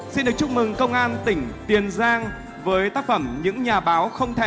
xin được chúc mừng công an tỉnh tiền giang với tác phẩm những nhà báo không thẻ